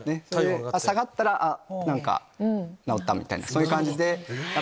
下がったら治った！みたいなそういう感じで。